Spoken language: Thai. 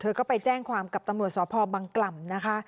ก็ไปแจ้งความกับตำรวจสพบังกล่ำนะคะ